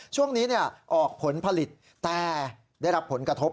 ช่วงนี้ออกผลผลิตแต่ได้รับผลกระทบ